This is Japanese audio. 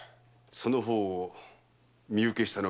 その方を身請けしたのはこの私だ。